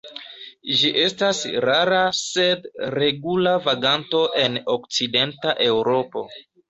Ĝi estas rara sed regula vaganto en okcidenta Eŭropo.